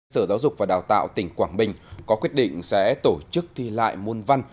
sở giáo dục và đào tạo tỉnh quảng bình có quyết định sẽ tổ chức thi lại môn văn